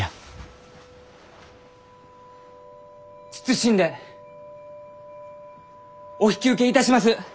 謹んでお引き受けいたします！